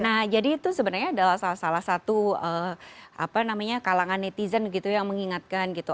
nah jadi itu sebenarnya adalah salah satu kalangan netizen gitu yang mengingatkan gitu